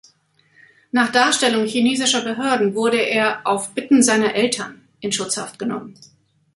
Nach Darstellung chinesischer Behörden wurde er "auf Bitten seiner Eltern" in Schutzhaft genommen.